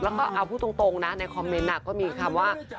แล้วก็เอาพูดตรงนะในคอมเมนต์ก็มีคำว่า